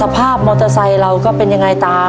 ภาพมอเตอร์ไซค์เราก็เป็นยังไงตา